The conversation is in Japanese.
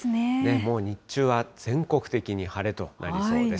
もう日中は全国的に晴れとなりそうです。